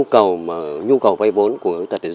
cái nhu cầu vay vốn của người khuyết tật